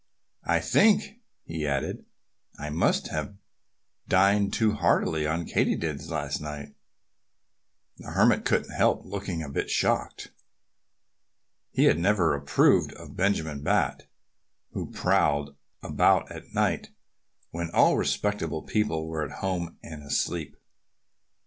I think," he added, "I must have dined too heartily on Katydids last night." The Hermit couldn't help looking a bit shocked. He had never approved of Benjamin Bat, who prowled about at night when all respectable people were at home and asleep.